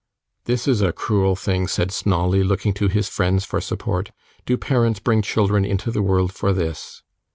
'This is a cruel thing,' said Snawley, looking to his friends for support. 'Do parents bring children into the world for this?